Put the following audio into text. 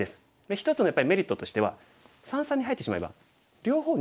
一つのやっぱりメリットとしては三々に入ってしまえば両方逃げ道があるんですよ。